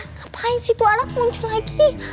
ngapain sih tuh anak muncul lagi